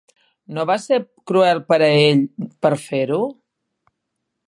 No va ser cruel per a ell per fer-ho?